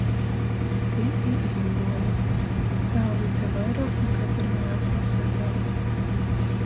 Tī i īguoju. Tāvu ite vairuok nakai pyrmajā klasē dālu.